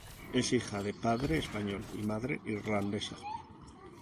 Es hija de padre español y madre irlandesa.